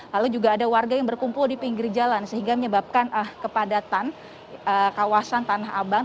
lalu juga ada warga yang berkumpul di pinggir jalan sehingga menyebabkan kepadatan kawasan tanah abang